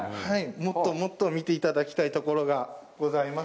もっともっと見ていただきたいところがございます。